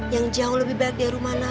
yang jauh lebih baik dari mana